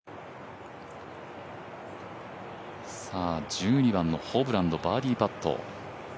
１２番のホブランド、バーディーパット。